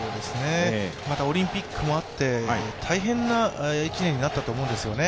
オリンピックもあって、大変な１年になったと思うんですよね。